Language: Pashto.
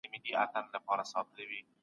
هغه کوچنی مرغی تازه البوهمېشه زده کوي.